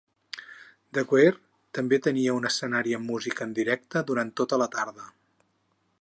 The Weir també tenia un escenari amb música en directe durant tota la tarda.